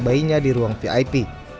bayinya di ruang vip